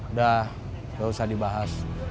udah gak usah dibahas